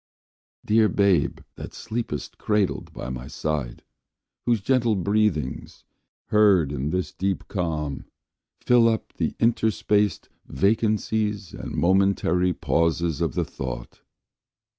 Dear Babe, that sleepest cradled by my side, Whose gentle breathings, heard in this deep calm, Fill up the interspersed vacancies And momentary pauses of the thought!